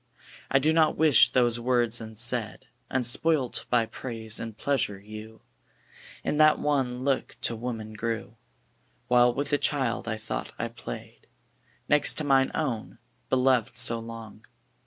I do not wish those words unsaid. Unspoilt by praise and pleasure, you In that one look to woman grew, While with a child, I thought, I played. Next to mine own beloved so long!